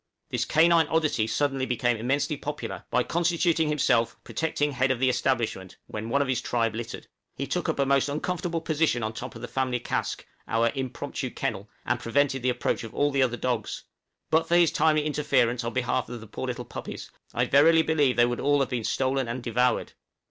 This canine oddity suddenly became immensely popular, by constituting himself protecting head of the establishment when one of his tribe littered; he took up a most uncomfortable position on top of the family cask (our impromptu kennel), and prevented the approach of all the other dogs; but for his timely interference on behalf of the poor little puppies, I verily believe they would all have been stolen and devoured!